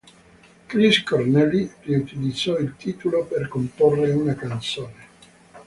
Chris Cornell riutilizzò il titolo per comporre una canzone.